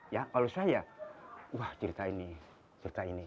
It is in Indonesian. ya kalau saya wah cerita ini cerita ini